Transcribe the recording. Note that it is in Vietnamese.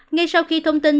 ngay sau khi thông tin